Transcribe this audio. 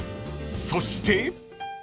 ［そして］